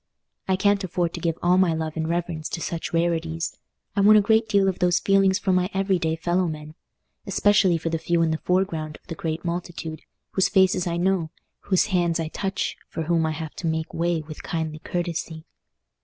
I can't afford to give all my love and reverence to such rarities: I want a great deal of those feelings for my every day fellow men, especially for the few in the foreground of the great multitude, whose faces I know, whose hands I touch, for whom I have to make way with kindly courtesy.